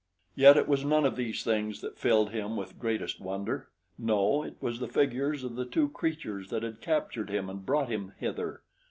Yet it was none of these things that filled him with greatest wonder no, it was the figures of the two creatures that had captured him and brought him hither.